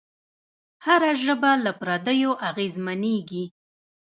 هره ژبه له پردیو اغېزمنېږي.